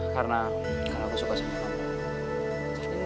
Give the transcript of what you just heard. karena karena aku suka sama kamu